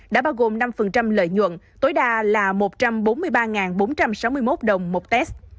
đã bao gồm năm lợi nhuận tối đa là một trăm bốn mươi ba bốn trăm sáu mươi một đồng một test